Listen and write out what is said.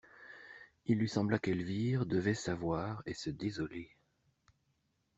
Il lui sembla qu'Elvire devait savoir et se désoler.